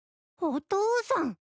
お父さん。